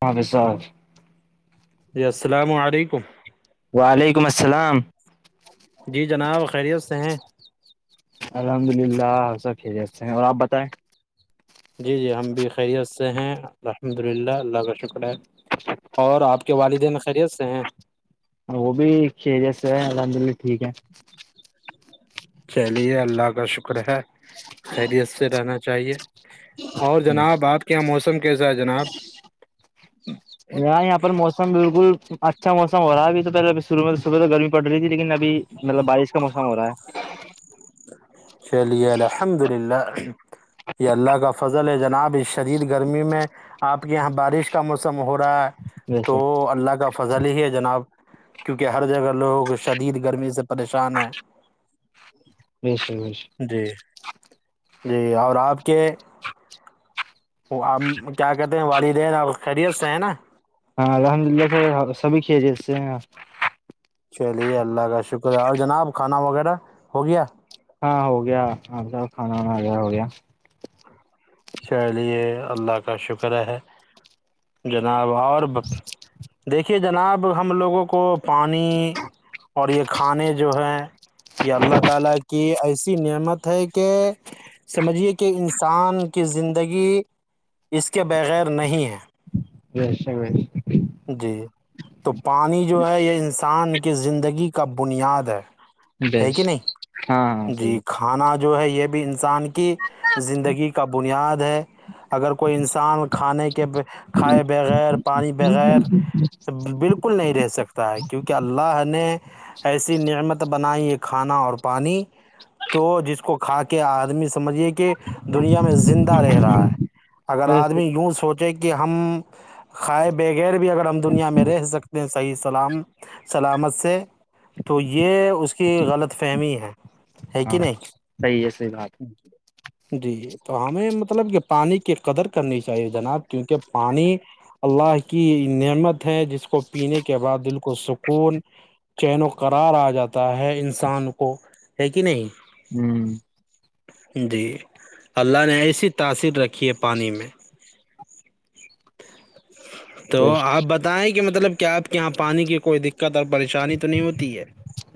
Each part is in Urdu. ہاں و سر جی السلام علیکم وعلیکم السلام جی جناب خیریت سے ہیں الحمد للہ آپ سب کی جے ہیں اور آپ بتائیں جی جی ہم بھی خیریت سے ہیں الحمد للہ اللہ کا شکر ہے اور آپ کے والدین خیریت سے ہیں وہ بھی ش جیس ہے الحمد للہ ٹھیک ہے چلیے اللہ کا شکر ہے خیریت سے رہنا چاہیے اور جناب آپ کے یہاں موسم کیسا ہے جناب یاں یہاں پر موسم بالکل اچھا موسم ہو رہا ہےبھی تو پہلے شرع میں صبح تو گرمی پڑ رہی تھی لیکن ابھی مطلب بارش کا موسم ہو رہا ہے چلیے الحمد للہ یہ اللہ کا فضل ہے جناب اس شدید گرمی میں آپ کے یہاں بارش کا موسم ہو رہا ہے تو اللہ کا فضل ہی ہے جناب کیونکہ ہر جگہ لوگوں کو شدید گرمی سے پریشان ہے بیشک جی جی اور آپ کے وہ آپ کیا کہتے ہیں والدین آ خیریت سے ہیں نا ہاں الحمد للہ سے سبھی کھیے جیس سے چلیے اللہ کا شکر ہے اور جناب کھانا وغیرہ ہو گیا ہاں ہو گیا آپ سب کھانا وانا آ گیا ہو گیا چلیے اللہ کا شکر ہے جناب اور دیکھیے جناب ہم لوگوں کو پانی اور یہ کھانے جو ہیں یہ اللہ تعالی کی ایسی نعمت ہے کہ سمجھیے کہ انسان کی زندگی اس کے بغیر نہیں ہے ویش م جی تو پانی جو ہے یہ انسان کی زندگی کا بنیاد ہے ہے بیش کہ ہاں ہاں نہیں جی صحیح کھانا جو ہے یہ بھی انسان کی زندگی کے کا بنیاد ہے اگر کوئی انسان کھانے کے کھائے بغیر پانی بغیر بالکل نہیں رہ سکتا ہے کیونکہ اللہ نے ایسی نعمت بنائی یہ کھانا اور پانی تو جس کو کھا کے آدمی سمجھیے کہ دنیا میں زندہ رہ رہا ہے اگر ویسے آدمی یوں سوچے کہ ہم کائے بغیر بھی اگر ہم دنیا میں رہ سکتے ہیں صحیح سلام سلامت سے تو یہ اس کے کی غلط فہمی ہے ہے کہ نہیں صحی ہے صحی بات ہے جی تو ہمیں مطلب کہ پانی کی قدر کرنی چاہیے جناب کیونکہ پانی اللہ کی نعمت ہے جس کو پینے کے بعد دل کو سک کوون چین وقرار آ جاتا ہے انسان کو ہے کہ نہیں ہوں جی اللہ نے ایسی تاثیر رکھی ہے پانی میں [unintelligible] تو آپ بتائیں کہ مطلب کیا آپ کے یہاں پانی کی کوئی دقت اور پریشانی تو نہیں ہوتی ہے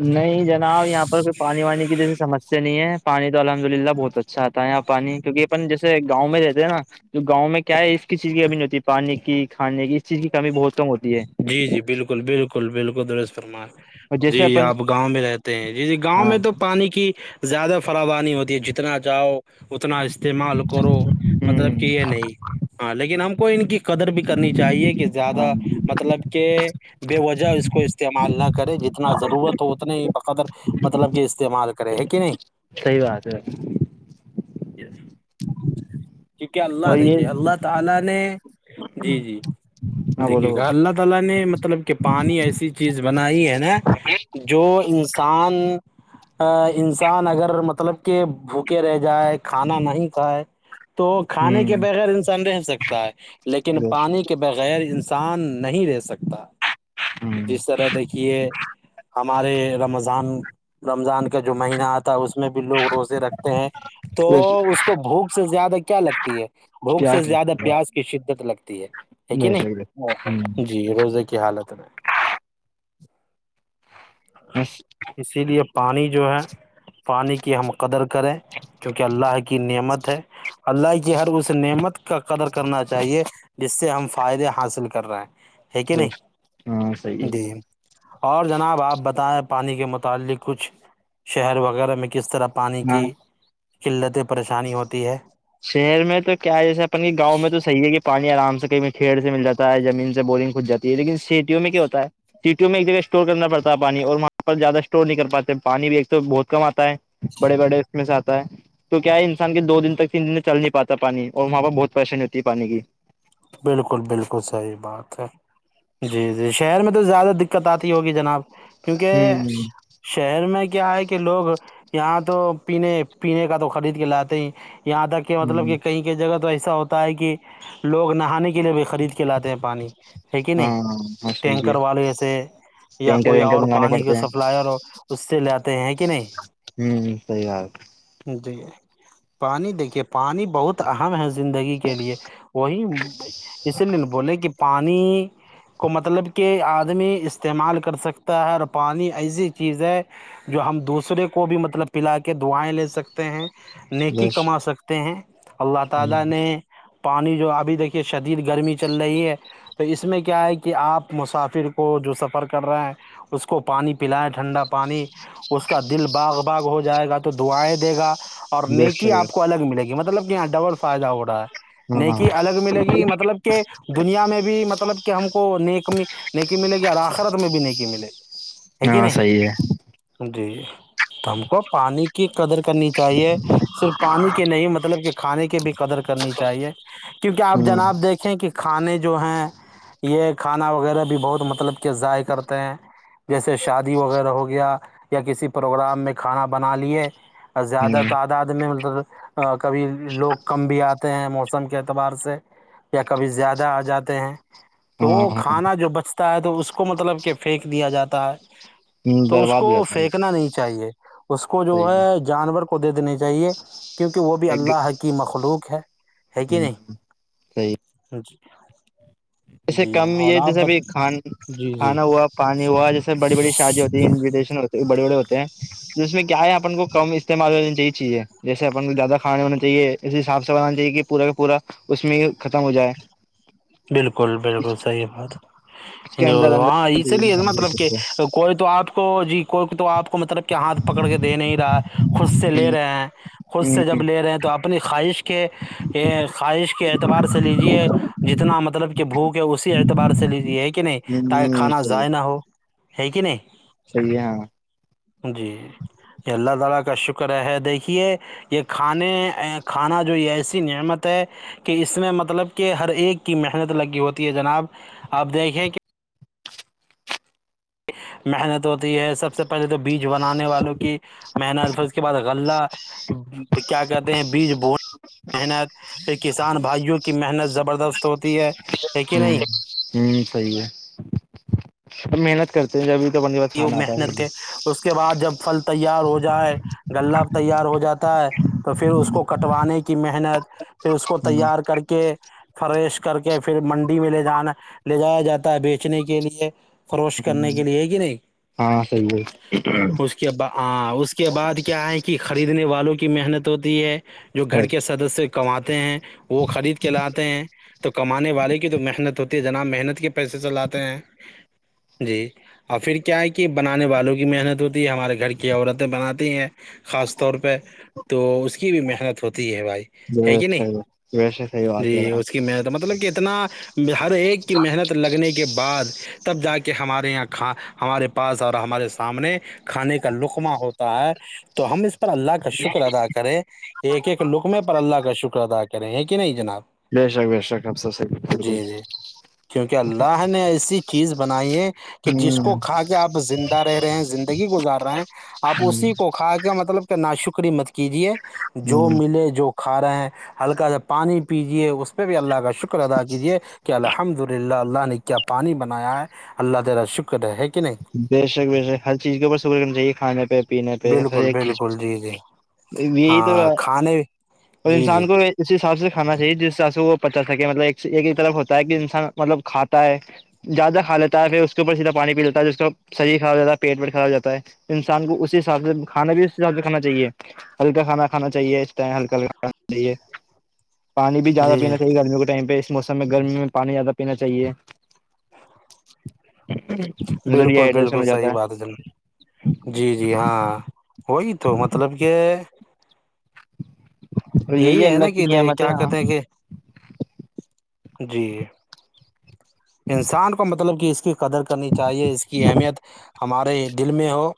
نہیں جناب یہاں پر کوئی پانی وانی کی جیسی سمسیا نہیں ہے پانی تو الحمد للہ بہت اچھا تھا پانی کیونکہ اپن جیسے گاؤں میں رہتے ہیں نا تو گاؤں میں کیا ہے اسس چیز کی کمی نہیں ہوتی پانی کی کھے کی اس چیز کی کمی بہت کم ہوتی ہے جی جی بالکل بالکل بالکل دو فرما اور جیسے جی اپن آپ گاؤں میں رہتے ہیں جی جی گاؤں ہاں میں تو پانی کی زیادہ فروانی ہوتی ہے جتنا جاؤ اتنا استعمال کرو مطلب ہوں کہ یہ نہیں ہاں لیکن ہم کو ان کی قدر بھی کرنی چاہیے کہ ہاں زیادہ مطلب کہ بے وجہ اس کو استعمال نہ کرے جتنا ضرورت ہو اتنے ہی بقدر مطلب کہ استعمال کرے ہے کہ نہیں سحی بات ہے کیونکہ اللہ اور یہ دیکھیے اللہ تعالی نے جی جی ہاں بولو دیکھیے بولو اللہ تعالی نے مطلب کہ پانی ایسی چیز بنائی ہے نا جو تان انسان اگر مطلب کہ بھوکے رہ جائے کھانا نہیں کھائے تو کھانے کے ہوں بغیر انسان رہ سکتا ہے لیکن پانی کے بغیر انسان سان نہیں رہ سکتا جس طرح دیکھیے ہمارے رمضان رمضان کا جو مہینہ آتا ہے اس میں بھی لوگ روزے رکھتے ہیں تو اس کو بھوک سے زیادہ کیا لگتی ہے بھوک سے پیاس زیادہ لگتی ہے پیاز کی شدت لگتی ہے یک بے شک نہیں جی روزے کی حالت رہ بس اسی لیے پانی جو ہے پانی کی ہم قدر کریں کیونکہ اللہ کی نعمت ہے اللہ کی ہر اس نعمت کا قدر کرنا چاہیے جس سے ہم فائدے حاصل کر رہے ہیں ہےیک نہیں صحیح ہے جی اور جناب آپ بتائیں پانی کے متعلق کچھ شہر وغیرہ میں کس طرح پانی ہاں کی قلت پریشانی ہوتی ہے شہر میں تو کیا ہے جسے اپن گاؤں میں تو صحی ہے کہ پانی آرام سے کہیں کھیڑ سے مل جاتا ہے زمین سے بورنگ کھود جاتا ہے لیکن سیٹیوں میں کیا ہوتا ہے سیٹیوں میں ایک جگہ اسٹور کرنا پڑتا ہے پانی اور وہاں پر زیادہ اسٹور نہیں کر پاتے پانی بھی ایک تو بہت کم آتا ہے بڑے بڑے اس میں سے آتا ہے تو کیا ہے انسان کے دو دن تک تین دن چل نہیں پاتا پانی اور وہاں پہ بہت پریشانی ہوتی ہے پانی کی بالکل بالکل صحی بات ہے جی جی شہر میں تو زیادہ دقت آتی ہوگی جناب کیونکہ ہوں شہر میں کیا ہے کہ لوگ یہاں تو پینے پینے کا تو خرید کے لاتے ہی یہاں تک کہ مطلب ہ کہ کہیں کہئی جگہ تو ایسا ہوتا ہے کہ لوگ نہانے کے لیے بھی خرید کے لاتے ہیں پانی ہے کہ ہاں نہیں ہاں صحیح ہے ٹینکر والے ایسے یا ٹینکر کوئی وینکر اور منگانے پانی کا پڑتے ہیں سپلائر اس سے لیتے ہیں کہ نہیں ہوں سی حال جی پانی دیکھیے پانی بہت اہم ہے زندگی کے لیے وہی اس لیے بولے کہ پانی کو مطلب کہ آدمی استعمال کر سکتا ہے اور پانی ایسی چیز ہے جو ہم دوسرے کو بھی مطلب پلا کے دعائیں لے سکتے ہیں نیکی بس کما سکتے ہے الله تھل ابھی دیکھا جو آپ نے کہ شدید گرمی چل رہی ہے تو اس میں کیا ہے کہ آپ مسافر کو جو سفر کر رہے ہیں اس کو پانی پلائے ٹھنڈا پانی اس کا دل باغ باغ ہو جائے گا تو دعائیں دے گا اور نیکی آپ بس کو الگ ملے گی مطلب کہ یہاں ڈبل فائدہ ہو رہا ہے ہاں نیکی الگ ملے گی مطلب کہ دنیا میں بھی مطلب کہ ہم کو نیک نہیںی ملے گی اور آخرت میں بھی نہیںی ملے گی ہے کہ ہاں نہیں صی ہے جی تو ہم کو پانی کی قدر کرنی چاہیے صرف پانی کے نہیں مطلب کہ کھانے کی بھی قدر کرنی چاہیے کیونکہ آپ ہ جناب دیکھیں کہ کھانے جو ہیں یہ کھانا وغیرہ بھی بہت مطلب کے ضائع کرتے ہیں جیسے شادی وغیرہ ہو گیا یا کسی پروگرام میں کھانا بنا لیے اور زیادہ ہ تعداد میں مطلب کبھی لوگ کم بھی آتے ہیں موسم کے اعتبار سے یا کبھی زیادہ آ جاتے ہیں تو ہاں ہاں کھانا جو بچ تا ہے تو اس کو مطلب کہ پھینک دیا جاتا ہے تو اس برباد کو ہو جاتا ہے پھینکنا نہیں چاہیے اس کو جو ہے جانور کو دے دنے چاہیے کیونکہ وہ بھی اللہ کی مخلوق ہے ہوں ہ سی سی جی جسے جی کم اور یہ آپ جیسےب بت کھان جی جی کھانا ہوا پانی ہوا جیسے بڑی بڑی شادی ہوتی ہے انوٹییشن ہوتی بڑے بڑے ہوتے ہیں تو اس میں کیا ہے اپن کو کم استعمال ہونی چاہیے چیزیں جیسے اپن کو زیادہ کھانے ہونا چاہیے اسس حساب سے بنا چاہیے کہ پورا کا پورا اس میں ہی ختم ہو جائے بالکل بالکل اس صحیح بات کے جو اندر ہاں اندر اس لیے انسان مطلب کہ کوئی تو آپ کو جی کوئی تو آپ کو مطلب کہ ہاتھ پکڑ کے دے نہیں رہا خود سے لے رہے ہیں خود سے جب لے رہے ہیں تو آپ اپنی خواہش کے خواہش کے اعتبار سے لیجیے جتنا مطلب کہ بھوک ہے اسی اعتبار سے لیج ہے کہ نہیں تاکہ کھانا کو ضائع نہ ہو ہے کہ نہیں صحیح ہے جی اللہ تعالی کا شکر ہے دیکھیے یہ کھانے کھانا جو یہ ایسی نعمت ہے کہ اس میں مطلب کہ ہر ایک محنت لگی ہوتی ہے جناب آپ دیکھیں کیا محنت ہوتی ہے سب سے پہلے تو بیج بنانے والوں کی محنت پھر اس کے بعد غلہ کیا کہتے ہیں بیج ب محنت پھر کسان بھائیوں کی محنت زبردست ہوتی ہے ہ ہے کہ نہیں ہوں سی ہے تو محنت کرتے ہیں ج ابھی تو اپ یہ بسان آتا ہے محنت بھی کے اس کے بعد جب پھل تیار ہو جائے غلہ تیار ہو جاتا ہے تو پھر اس کو کٹوانے کی محنت پھر اس کو ہمم تیار کر کے فریش کر کے پھر منڈی میں لے جانا لے جایا جاتا ہے بیچنے کے لیے کروش کرنے کے ہمم لیے ہے کہ نہیں ہاں صحیح ہے اس کے ب اس کے بعد کیا آئیں گ کی خریدنے والوں کی محنت ہوتی ہے جو ہے گھر کے سدسیہ کماتے ہیں وہ خرید کے لاتے ہیں تو کمانے والے کی تو محنت ہوتی ہے جناب محنت کے پیسے چلاتے ہیں جی اور پھر کیا ہے کہ بنانے والوں کی محنت ہوتی ہے ہمارے گھر کی عورتیں بناتی ہیں خاص طور پہ تو اس کی بھی محنت ہوتی ہے بھائی ہے کہ اچھا نہیں ویسے صحیح بات کر جی رہا اس آپ کی مت مطلب کہ اتنا ہر ایک کی محنت لگنے کے بعد تب جا کے ہمارے یہاں کھا ہمارے پاس اور ہمارے سامنے کھانے کا لقمہ ہوتا ہے تو ہم اس پر اللہ کا شکر ادا کرے ایک ایک لکم میں پر اللہ کا شکر ادا کرے ہے کہ نہیں جناب بے شک بے شک آپ بلکل جی جی کیونکہ اللہ نے ایسی چیز بنائی ہے کہ جس کو کہ آپ زندہ رہ رہے ہیں زندگی گزار رہے ہیں ہ آپ اسی کو کھا کے مطلب کہ ناشکری مت کیجیے جو ہ ملے جو کھا رہے ہیں ہلکا سا پانی پیجیے اس پہ بھی اللہ کا شکر ادا کیجیے کہ الحمد للہ اللہ نے کیا پانی بنایا ہے اللہ تعالا شکر ہے کہ نہیں بے شک بے شک ہر چیز کے اوپر شکر کرنا چاہیے کھانے پہ پینے پہ ہر بالکل ایک چیز بالکل جی جی میں یہی تو ہاں کھانے اور جی جی انسان کو اس حساب سے کھا چاہیے جس سے وہ پچا سکے مطلب ایک ہی طرف ہوتا ہے کہ انسان مطلب کھاتا ہے زیادہ کھاتا ہے پھر اس کے اور سیدھا پانی پی لیتا ہے ب شریر خراب جاتا ہے پیٹ پیٹ خراب جاتا ہے تو انسان کو اسی حساب سے کھانا بھی اسی حساب سے کھانا چاہیے ہلکا کھانا کھانا چاہیے اس ٹائم ہلکا کھانا چاہیے پانی بھی زیادہ جی پینا جی چاہیے گرمی کے ٹائم پہ موسم میں گرمی میں پانی زیادہ پینا چاہیے میرے ڈیہائڈریشن ہو جاتا ہے بجن جی جی ہاں وہی تو مطلب کہ اور یہی ہے اللہ نا کہ کی ادھر نعمت ہے کیا ہاں کہتے ہیں کہ جی انسان کو مطلب کہ اس کی قدر کرنی چاہیے اس کی اہمیت ہمارے دل میں ہو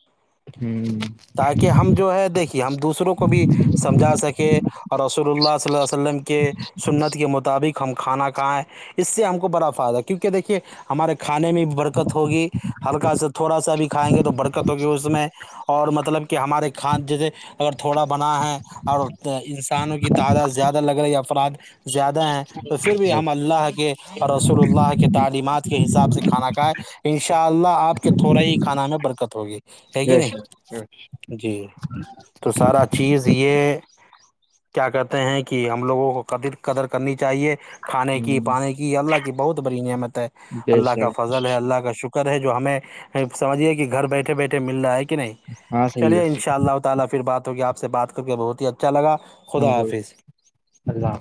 تاکہ ہم جو ہے دیکھے کہ ہم دوسروں کو بھی سمجھا سکیں اور رسول اللہ صلی اللہ وسلم کے سنت کے مطابق ہم کھانا کھائیں اس سے ہم کو بڑا فائدہ کیونکہ دیکھیے ہمارے کھانے میں بھی برکت ہوگی ہلکا سا تھوڑا سا بھی کھائیں گے تو برکت ہوگی اس میں اور مطلب کہ ہمارے کھاد جیسے اگر تھوڑا بنا ہے اور انسانوں کی تعداد زیادہ لگ رہی ہے افراد زیادہ ہیں تو پھر بھی ہ ہم اللہ کے اور رسول اللہ کے تعلیمات کے حساب سے کھانا کھائے انشاء اللہ آپ کے تھوڑا ہی کھانا میں برکت ہوگی ہےگی بے نہیں شک ہ جی تو سارا چیز یہ کیا کہتے ہیں کہ ہم لوگوں کو کدر قدر کرنی چاہیے کھانے کی پانے کی اللہ کی بہت بڑی نعمت ہے بے اللہ کا شک فضل ہے اللہ کا شکر ہے جو ہمیں سمجھیے کہ گھر بیٹھے بیٹھے مل رہا ہے کہ نہیں ہاں صحیح چلیے ہے انشاء اللہ تعالی پھر بات ہوگی آپ سے بات کرکے بہت اچھا لگا ہم خدا کو حافظاظ اللہ